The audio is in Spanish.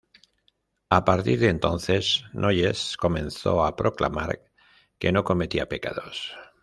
A partir de entonces Noyes comenzó a proclamar que no cometía pecados.